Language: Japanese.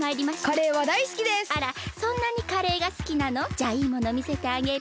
じゃあいいものみせてあげる。